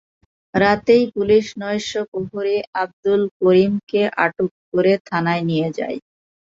রাতেই পুলিশ নৈশ প্রহরী আবদুল করিমকে আটক করে থানায় নিয়ে যায়।